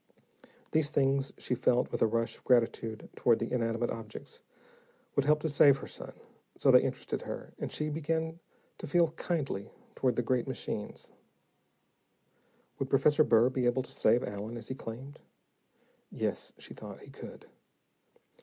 These things, she felt with a rush of gratitude toward the inanimate objects, would help to save her son, so they interested her and she began to feel kindly toward the great machines. Would Professor Burr be able to save Allen as he claimed? Yes, she thought, he could.